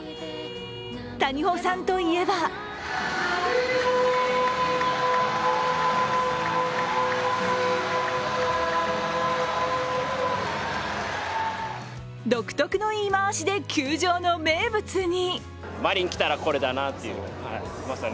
谷保さんといえば独特に言い回しで球場の名物に。